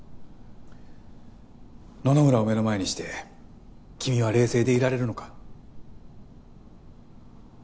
野々村を目の前にして君は冷静でいられるのか？